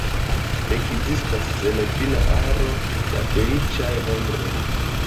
Ekzistas senfina aro da feliĉaj nombroj.